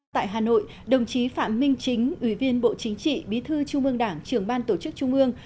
tại hà nội đồng chí phạm minh chính ủy viên bộ chính trị bí thư trung mương đảng trường ban tổ chức trung mương